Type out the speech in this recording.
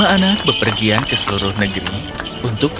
lima anak dan mahluk